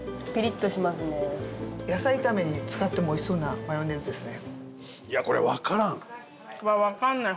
野菜炒めに使ってもおいしそうなマヨネーズですね。